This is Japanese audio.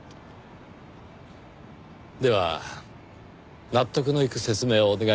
では納得のいく説明をお願いします。